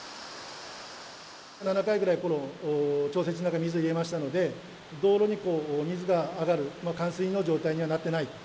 ７回ぐらい調整しながら水を入れましたので、道路に水が上がる冠水の状態にはなってない。